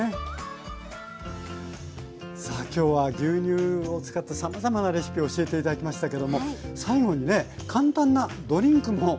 今日は牛乳を使ってさまざまなレシピを教えて頂きましたけども最後にね簡単なドリンクも教えて頂けるとか。